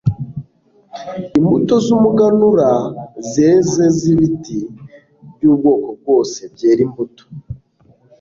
imbuto z umuganura zeze z ibiti by ubwoko bwose byera imbuto